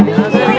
ada yang megang